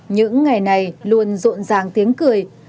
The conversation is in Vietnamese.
những ngày này luôn rộn ràng tiếng cười